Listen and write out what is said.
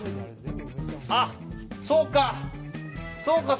ああ、そうか！